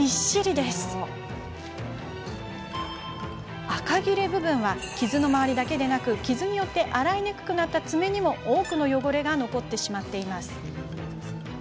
また、あかぎれ部分は傷の周りだけでなく傷によって洗いにくくなった爪にも多く汚れが残ってしまっています。